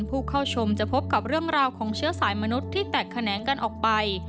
ผู้เข้าชมจะพบกับเรื่องราวของเชื้อสายมนุษย์ที่แตกแขนงกันออกไป